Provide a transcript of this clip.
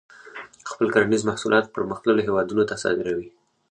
خپل کرنیز محصولات پرمختللو هیوادونو ته صادروي.